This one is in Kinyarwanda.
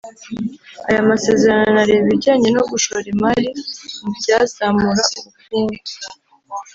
aya masezerano anareba ibijyanye no gushora imari mu byazamura ubukungu